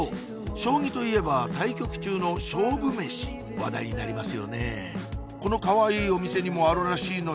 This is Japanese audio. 将棋といえば対局中の勝負メシ話題になりますよねぇこのかわいいお店にもあるらしいのよ